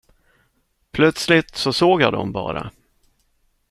Plötsligt så såg jag dem bara.